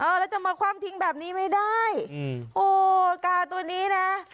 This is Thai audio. แล้วจะมาคว่ำทิ้งแบบนี้ไม่ได้อืมโอ้กาตัวนี้นะ